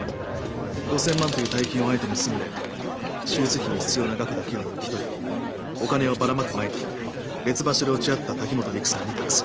５，０００万という大金をあえて盗んで手術費に必要な額だけを抜き取りお金をばらまく前に別場所で落ち合った滝本陸さんに託す。